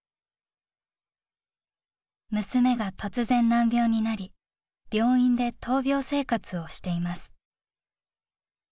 「娘が突然難病になり病院で闘病生活をしています」。